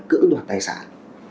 cưỡng đoạt tài sản